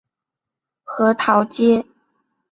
核桃街。